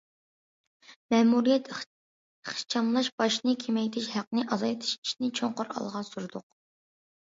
مەمۇرىيەتنى ئىخچاملاش، باجنى كېمەيتىش، ھەقنى ئازايتىش ئىشىنى چوڭقۇر ئالغا سۈردۇق.